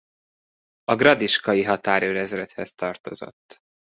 A gradiskai határőrezredhez tartozott.